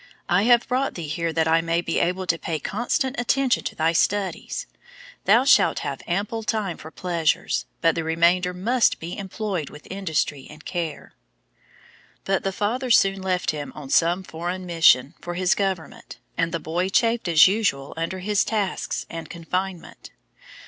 I have brought thee here that I may be able to pay constant attention to thy studies; thou shalt have ample time for pleasures, but the remainder must be employed with industry and care." But the father soon left him on some foreign mission for his government and the boy chafed as usual under his tasks and confinement.